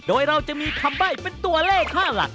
โดยเราจะมีคำใบ้เป็นตัวเลขค่าหลัก